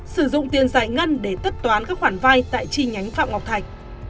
sử dụng tiền giải ngân để tất toán các khoản vay tại chi nhánh phạm ngọc thạch